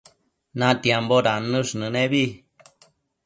natiambo dannësh nënebi